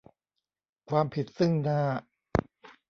ความผิดซึ่งหน้า